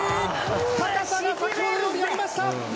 高さが先ほどよりありました。